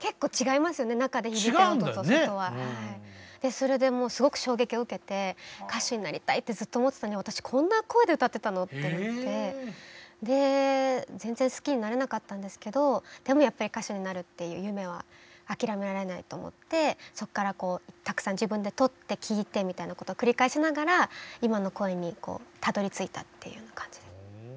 それでもうすごく衝撃を受けて歌手になりたいってずっと思ってたのに全然好きになれなかったんですけどでもやっぱり歌手になるっていう夢は諦められないと思ってそっからたくさん自分で録って聞いてみたいなことを繰り返しながら今の声にこうたどりついたっていうような感じです。